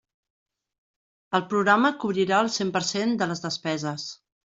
El programa cobrirà el cent per cent de les despeses.